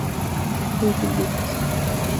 Google libros